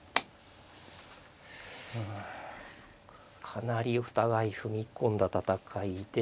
かなりお互い踏み込んだ戦いで。